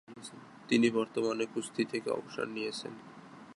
তিনি বর্তমানে কুস্তি থেকে অবসর নিয়েছেন।